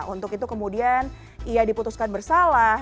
untuk itu kemudian ia diputuskan bersalah